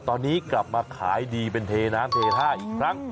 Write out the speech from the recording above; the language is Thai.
ตอนนี้กลับมาขายดีเป็นเทน้ำเทท่าอีกครั้ง